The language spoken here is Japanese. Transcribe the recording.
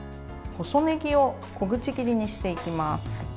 細ねぎを小口切りにしていきます。